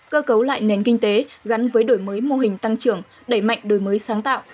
cơ cấu lại nền kinh tế gắn với đổi mới mô hình tăng trưởng đẩy mạnh đổi mới sáng tạo